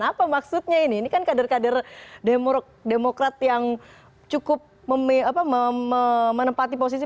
apa maksudnya ini ini kan kader kader demokrat yang cukup menempati posisi